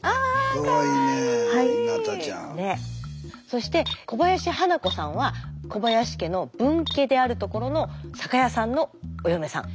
そして小林花子さんは小林家の分家であるところの酒屋さんのお嫁さん。